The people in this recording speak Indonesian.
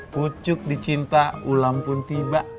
pucuk dicinta ulam pun tiba